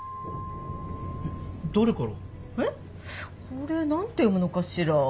これ何て読むのかしら？